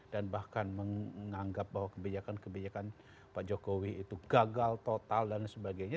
dan bahkan menganggap bahwa kebijakan kebijakan pak jokowi itu gagal total dan sebagainya